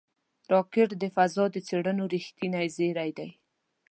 راکټ د فضا د څېړنو رېښتینی زېری دی